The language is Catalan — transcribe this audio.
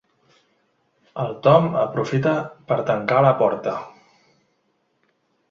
El Tom aprofita per tancar la porta.